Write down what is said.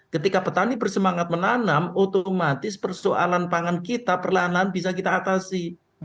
ketika petani bersemangat menanam otomatis persoalan pangan kita perlahanan bisa kita atasi